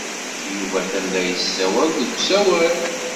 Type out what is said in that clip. Yuba atan la yessawal deg usawal.